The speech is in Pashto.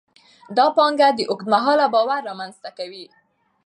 دا پانګه د اوږد مهاله باور رامینځته کوي.